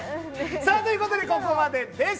さあ、ということでここまでです。